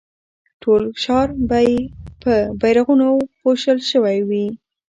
ټول ښار به په بيرغونو پوښل شوی وي.